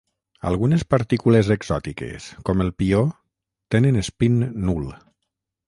Algunes partícules exòtiques com el pió tenen espín nul.